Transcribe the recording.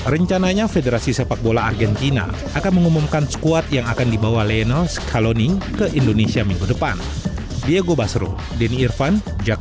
rencananya federasi sepak bola argentina akan mengumumkan skuad yang akan dibawa lionel scaloni ke indonesia minggu depan